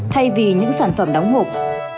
thay vì những sản phẩm đóng hộp